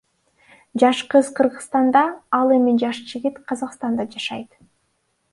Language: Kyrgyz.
Жаш кыз Кыргызстанда ал эми жаш жигит Казакстанда жашайт.